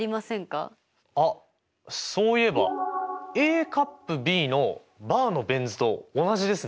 あっそういえばＡ∪Ｂのバーのベン図と同じですね。